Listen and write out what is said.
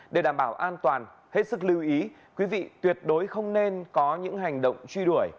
để đảm bảo an toàn hết sức lưu ý quý vị tuyệt đối không nên có những hành động truy đuổi